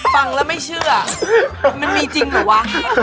ฟังแล้วไม่เชื่อมันมีจริงเหรอวะ